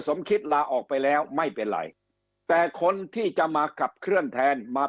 สมคิดลาออกไปแล้วไม่เป็นไรแต่คนที่จะมาขับเคลื่อนแทนมา